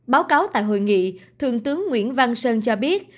báo cáo tại hội nghị thượng tướng nguyễn văn sơn cho biết